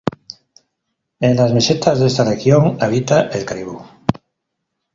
En las mesetas de esta región habita el caribú.